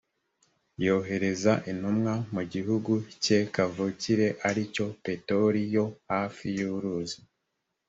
yohereza intumwa mu gihugu cye kavukire ari cyo petori yo hafi y’uruzi.